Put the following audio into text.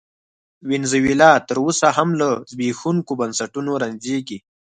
وینزویلا تر اوسه هم له زبېښونکو بنسټونو رنځېږي.